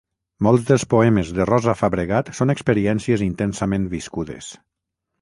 Molts dels poemes de Rosa Fabregat són experiències intensament viscudes.